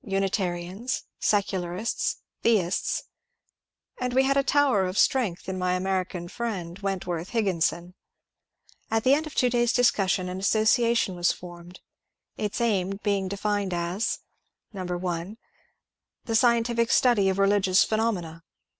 Unitarians, Secularists, Theists ; and we had a tower of strength in my American friend, Wentworth Higginson. At the end of the two days' discussion an association was formed, its aim being defined as :— 1. The scientific study of religious phenomena.